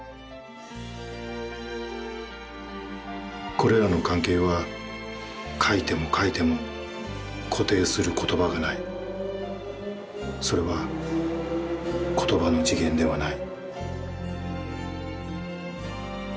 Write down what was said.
「これらの関係は書いても書いても固定する言葉がない、それは言葉の次元ではない」。